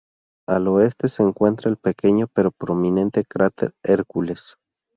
Al oeste se encuentra el pequeño pero prominente cráter Hercules.